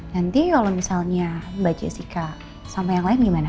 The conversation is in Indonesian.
nanti kalau misalnya mbak jessica sama yang lain gimana